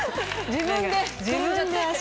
自分で。